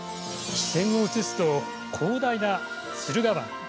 視線を移すと、広大な駿河湾。